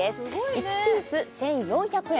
１ピース１４００円